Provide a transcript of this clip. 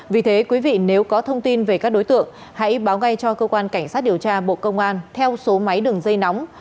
vì thế quý vị nếu có thông tin về các đối tượng hãy báo ngay cho cơ quan cảnh sát điều tra bộ công an theo số máy đường dây nóng sáu mươi chín hai trăm ba mươi bốn năm nghìn tám trăm sáu mươi